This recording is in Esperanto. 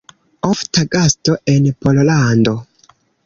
Ofta gasto en Pollando.